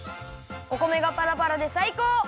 お米がパラパラでさいこう！